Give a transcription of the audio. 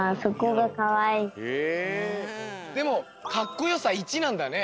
でも「かっこよさ１」なんだね。